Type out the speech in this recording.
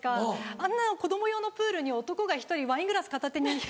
あんな子供用のプールに男が１人ワイングラス片手につかってたら